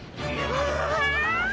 うわ！